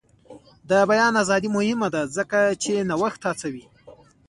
د بیان ازادي مهمه ده ځکه چې نوښت هڅوي.